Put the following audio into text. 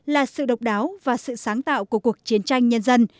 là sự độc đáo và sự sáng tạo của cuộc chiến tranh nhân dân